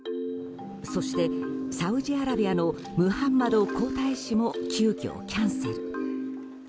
そして、サウジアラビアのムハンマド皇太子も急きょキャンセル。